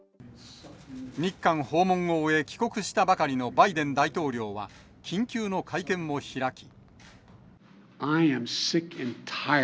日韓訪問を終え、帰国したばかりのバイデン大統領は、緊急の会見を開き。